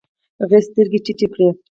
هغې سترګې ټيټې کړې.